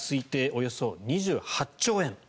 およそ２８兆円。